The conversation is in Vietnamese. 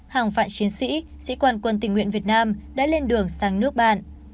hàng vạn chiến sĩ sĩ quan quân tình nguyện việt nam đã lên đường sang nước bạn